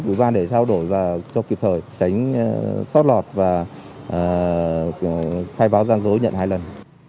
chúng tôi cũng đã đối chiếu với danh sách ủy ban để trao đổi và cho kịp thời tránh xót lọt và khai báo gian dối nhận hai lần